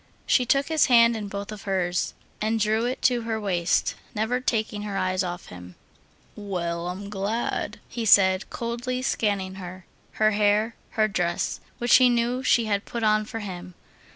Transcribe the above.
She took his hand in both of hers, and drew it to her waist, never taking her eyes off him. "Well, I'm glad," he said, coldly scanning her, her hair, her dress, which he knew she had put on for him.